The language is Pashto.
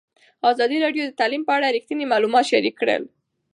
ازادي راډیو د تعلیم په اړه رښتیني معلومات شریک کړي.